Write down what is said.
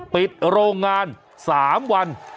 ปิดโรงงาน๓วัน